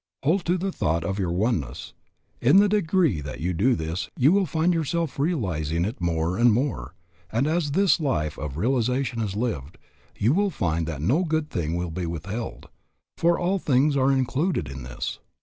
Hold to the thought of your oneness. In the degree that you do this you will find yourself realizing it more and more, and as this life of realization is lived, you will find that no good thing will be withheld, for all things are included in this.